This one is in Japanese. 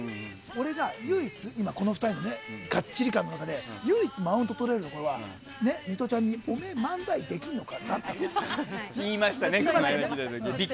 俺が唯一この２人のカッチリ感の中で唯一マウントとれるところはミトちゃんにおめえ、漫才できるのか？